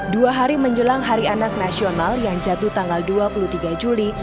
dua hari menjelang hari anak nasional yang jatuh tanggal dua puluh tiga juli